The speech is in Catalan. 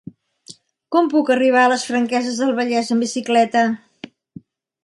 Com puc arribar a les Franqueses del Vallès amb bicicleta?